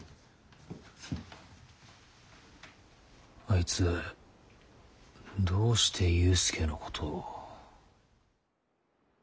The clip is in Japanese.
あいつどうして勇介のことを。